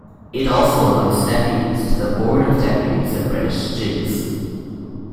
It also elects deputies to the Board of Deputies of British Jews.